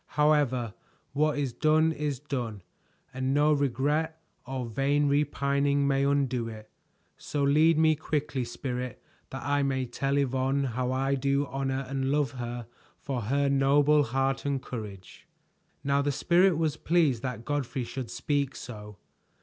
However, what is done is done, and no regret or vain repining may undo it. So lead me quickly, Spirit, that I may tell Yvonne how I do honor and love her for her noble heart and courage." Now the Spirit was pleased that Godfrey should speak so.